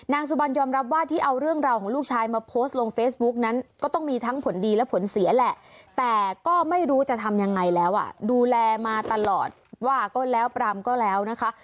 สุบันยอมรับว่าที่เอาเรื่องราวของลูกชายมาโพสต์ลงเฟซบุ๊กนั้นก็ต้องมีทั้งผลดีและผลเสียแหละแต่ก็ไม่รู้จะทำยังไงแล้วอ่ะดูแลมาตลอดว่าก็แล้วปรำก็แล้วนะคะ